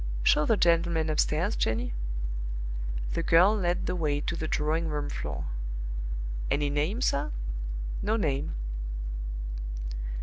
"Show the gentleman upstairs, Jenny." The girl led the way to the drawing room floor. "Any name, sir?" "No name."